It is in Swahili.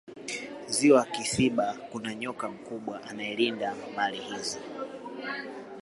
ziwa kisiba kuna nyoka mkubwa anaelinda mali hizo